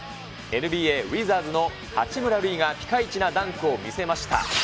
ＮＢＡ・ウィザーズの八村塁がピカイチなダンクを見せました。